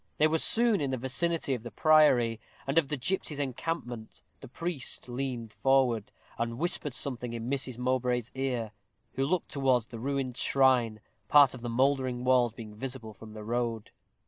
They were soon in the vicinity of the priory, and of the gipsies' encampment. The priest leaned forward, and whispered something in Mrs. Mowbray's ear, who looked towards the ruined shrine, part of the mouldering walls being visible from the road.